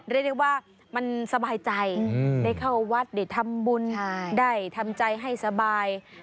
เรียกได้ว่ามันสบายใจได้เข้าวัดได้ทำบุญได้ทำใจให้สบาย